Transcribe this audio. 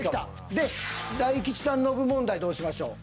で大吉さん・ノブ問題どうしましょう？